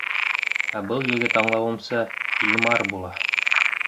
Ә был егет, аңлауымса, Илмар була.